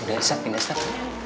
sudah esak pindah esak